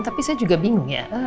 tapi saya juga bingung ya